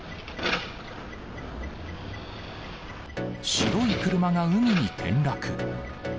白い車が海に転落。